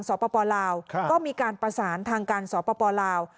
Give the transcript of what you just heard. สำพะปอร์ลาวก็มีการประสานทางการส่งประปอร์ลาว